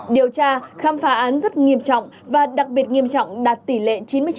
điều tra khám phá án rất nghiêm trọng và đặc biệt nghiêm trọng đạt tỷ lệ chín mươi chín chín mươi một